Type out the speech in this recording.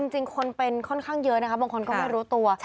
จริงคนเป็นค่อนข้างเยอะนะคะบางคนก็ไม่รู้ตัว